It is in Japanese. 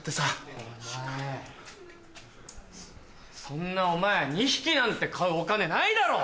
そんなお前２匹なんて飼うお金ないだろ！